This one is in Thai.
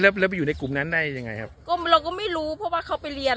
แล้วเราไปอยู่ในกลุ่มนั้นได้ยังไงครับก็เราก็ไม่รู้เพราะว่าเขาไปเรียน